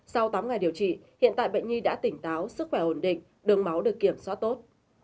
sau tám ngày điều trị hiện tại bệnh nhi đã tỉnh táo sức khỏe ổn định đường máu được kiểm soát tốt